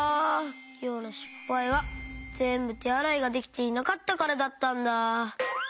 きょうのしっぱいはぜんぶてあらいができていなかったからだったんだ。